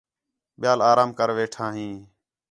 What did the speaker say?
ٻِیال آرام کر ویٹھا ہیں